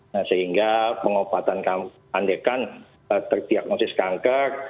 nah sehingga pengobatan kanker andekan tertiagnosis kanker